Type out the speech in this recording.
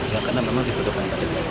ya karena memang dibutuhkan